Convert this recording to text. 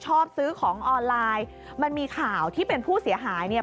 ชอบซื้อของออนไลน์มันมีข่าวที่เป็นผู้เสียหายเนี่ย